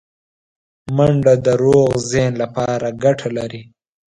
منډه د روغ ذهن لپاره ګټه لري